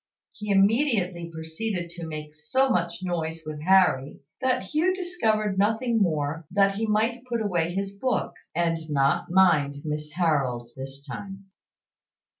He immediately proceeded to make so much noise with Harry, that Hugh discovered nothing more than that he might put away his books, and not mind Miss Harold this time.